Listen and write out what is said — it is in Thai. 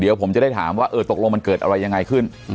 เดี๋ยวผมจะได้ถามว่าเออตกลงมันเกิดอะไรยังไงขึ้น